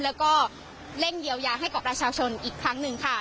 แล้วก็เร่งเยียวยาให้กับประชาชนอีกครั้งหนึ่งค่ะ